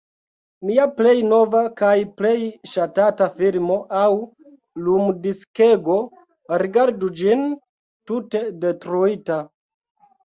Mia plej nova kaj plej ŝatata filmo aŭ lumdiskego, rigardu ĝin: tute detruita.